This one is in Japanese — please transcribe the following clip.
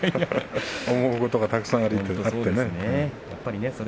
思うことがたくさんあってね。